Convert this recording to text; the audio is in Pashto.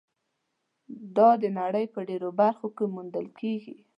دا د نړۍ په ډېرو برخو کې موندل کېږي.